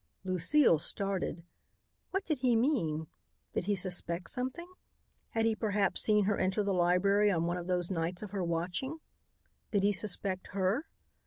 Lucile started. What did he mean? Did he suspect something? Had he perhaps seen her enter the library on one of those nights of her watching? Did he suspect her?